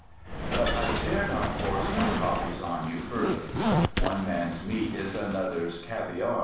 But I dare not force my hobbies on you further. One man's meat is another's caviar.